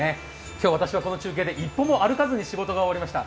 今日、私はこの中継で、一歩も歩かずに仕事が終わりました。